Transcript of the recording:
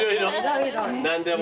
何でも。